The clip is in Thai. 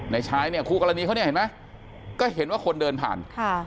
ชายเนี่ยคู่กรณีเขาเนี่ยเห็นไหมก็เห็นว่าคนเดินผ่าน